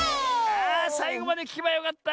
あさいごまできけばよかった！